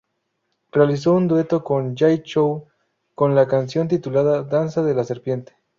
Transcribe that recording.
Realizó un dueto con Jay Chou, con la canción titulada "Danza de la Serpiente".